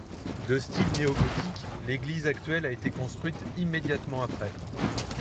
De style néo-gothique, l'église actuelle a été construite immédiatement après.